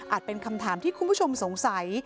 เป็นคำถามที่คุณผู้ชมสงสัย